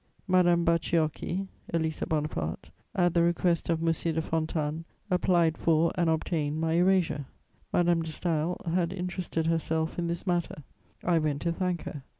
Madame Bacciocchi (Élisa Bonaparte), at the request of M. de Fontanes, applied for and obtained my erasure. Madame de Staël had interested herself in this matter: I went to thank her.